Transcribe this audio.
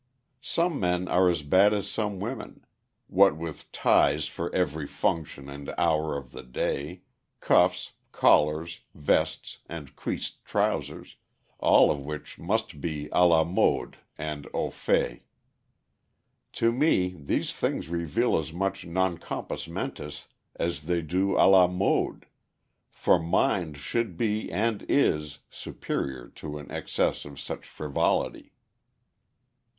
Some men are as bad as some women, what with ties for every function and hour of the day, cuffs, collars, vests, and creased trousers, all of which must be a la mode and au fait. To me these things reveal as much non compos mentis as they do a la mode, for mind should be, and is, superior to an excess of such frivolity.